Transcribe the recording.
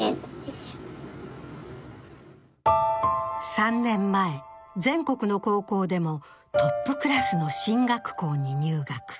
３年前、全国の高校でもトップクラスの進学校に入学。